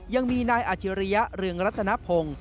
ยังมีนายอาชิริยะเรืองรัตนพงศ์